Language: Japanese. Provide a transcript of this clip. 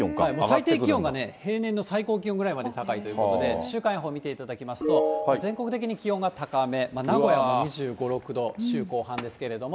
最低気温が平年の最高気温ぐらい高いということで、週間予報見ていただきますと、全国的に気温が高め、名古屋も２５、６度、週後半ですけれども。